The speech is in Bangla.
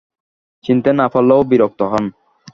চিনতে না পারলেও বিরক্ত হন।